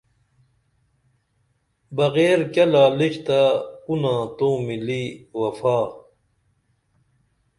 بغیر کیہ لالچ تہ کُنا تو مِلی وفا